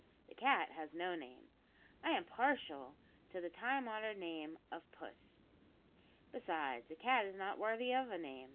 The cat has no name. I am partial to the time honoured name of `Puss.' Besides, a cat is not worthy of a name.